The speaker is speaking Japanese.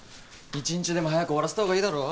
一日でも早く終わらせたほうがいいだろ？